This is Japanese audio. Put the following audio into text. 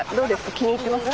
気に入ってますか？